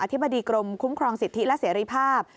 ธิบดีกรมคุ้มครองสิทธิและเสรีภาพ